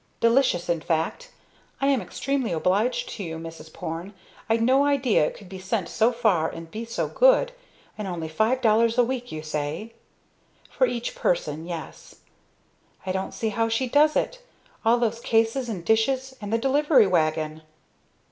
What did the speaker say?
"Delicious, in fact. I am extremely obliged to you, Mrs. Porne, I'd no idea it could be sent so far and be so good. And only five dollars a week, you say?" "For each person, yes." "I don't see how she does it. All those cases and dishes, and the delivery wagon!"